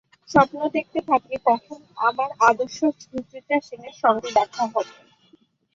স্বপ্ন দেখতে থাকি কখন আমার আদর্শ সুচিত্রা সেনের সঙ্গে দেখা হবে।